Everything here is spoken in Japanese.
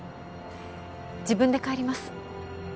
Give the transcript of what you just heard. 自分で帰ります。